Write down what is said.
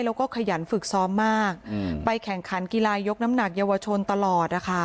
แล้วก็ขยันฝึกซ้อมมากไปแข่งขันกีฬายกน้ำหนักเยาวชนตลอดนะคะ